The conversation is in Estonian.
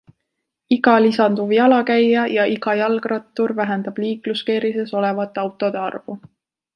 Iga lisanduv jalakäija ja iga jalgrattur vähendab liikluskeerises olevate autode arvu.